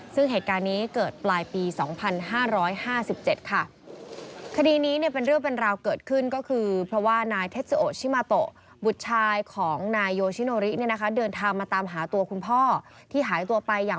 ซึ่งเหตุการณ์นี้เกิดปลายปี๒๕๕๗ค่ะ